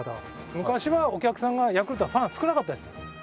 昔はお客さんがヤクルトのファン少なかったです。